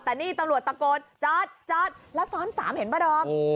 แต่นี่ตำรวจตะโกนจอดจอดแล้วซ้อน๓เห็นป่ะดอม